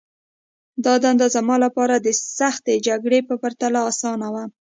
دا دنده زما لپاره د سختې جګړې په پرتله آسانه وه